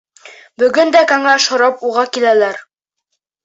Бөгөн дә кәңәш һорап уға киләләр.